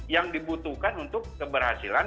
yang dibutuhkan untuk keberhasilan